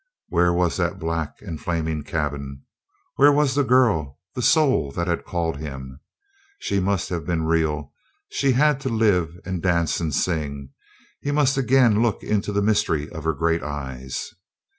Where was that black and flaming cabin? Where was the girl the soul that had called him? She must have been real; she had to live and dance and sing; he must again look into the mystery of her great eyes.